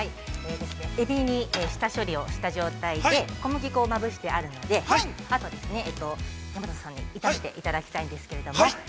エビに下処理をした状態で小麦粉をまぶしてあるので、山里さんに炒めていただきたいですけれども。